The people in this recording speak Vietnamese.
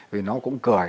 vì nó cũng cười